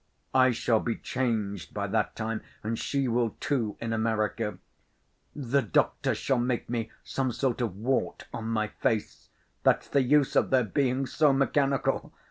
I shall be changed by that time, and she will, too, in America. The doctors shall make me some sort of wart on my face—what's the use of their being so mechanical!